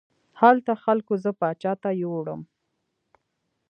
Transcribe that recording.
هلته خلکو زه پاچا ته یووړم.